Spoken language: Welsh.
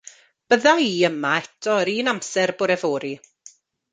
Bydda i yma eto yr un amser bore fory.